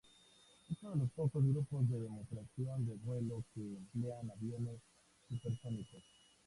Es uno de los pocos grupos de demostración de vuelo que emplean aviones supersónicos.